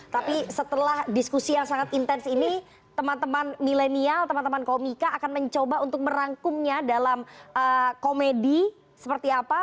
tapi setelah diskusi yang sangat intens ini teman teman milenial teman teman komika akan mencoba untuk merangkumnya dalam komedi seperti apa